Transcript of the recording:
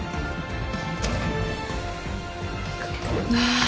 ああ。